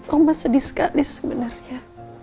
oma sedih sekali sebenarnya